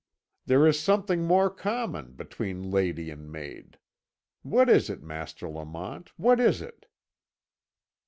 There is something more than common between lady and maid. What is it, Master Lamont, what is it?"